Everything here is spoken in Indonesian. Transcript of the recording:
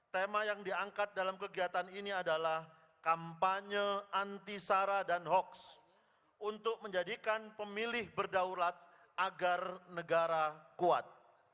tema yang diangkat dalam kegiatan ini adalah kampanye anti sara dan hoaks untuk menjadikan pemilih berdaulat agar negara kuat